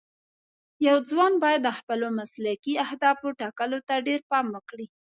یو ځوان باید د خپلو مسلکي اهدافو ټاکلو ته ډېر پام وکړي.